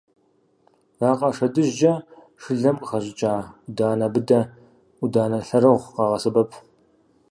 Вакъэ щадыжкӏэ шылэм къыхэщӏыкӏа ӏуданэ быдэ, ӏуданэ лэрыгъу къагъэсэбэп.